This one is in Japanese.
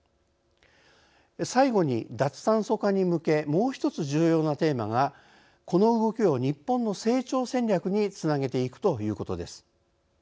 最後に脱炭素化に向けもう一つ重要なテーマがこの動きを日本の成長戦略につなげて行くということです。